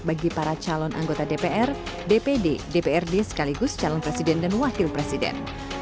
bagi para calon anggota dpr dpd dprd sekaligus calon presiden dan wakil presiden